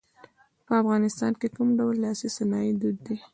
په افغانستان کې کوم ډول لاسي صنایع دود دي.